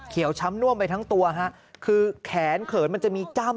ช้ำน่วมไปทั้งตัวฮะคือแขนเขินมันจะมีจ้ำ